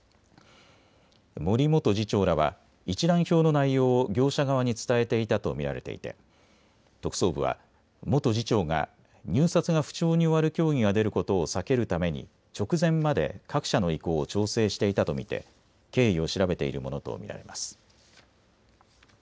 森元次長らは一覧表の内容を業者側に伝えていたと見られていて、特捜部は元次長が入札が不調に終わる競技が出ることを避けるために直前まで各社の意向を調整していたと見て経緯を調べているものと見られます。